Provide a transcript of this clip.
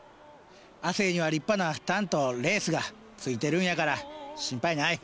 亜生には立派なタンとレースがついてるんやから心配ない。